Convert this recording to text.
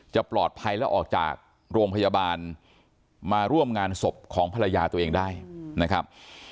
จะปลอดภัยแล้วออกจากโรงพยาบาลมาร่วมงานศพของภรรยาตัวเองได้นะครับ